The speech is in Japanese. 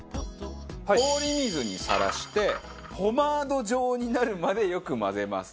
氷水にさらしてポマード状になるまでよく混ぜます。